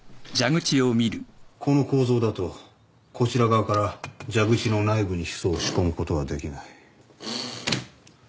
この構造だとこちら側から蛇口の内部にヒ素を仕込むことはできない。